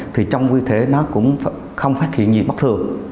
thì trong quy thể nó cũng không phát hiện gì bất thường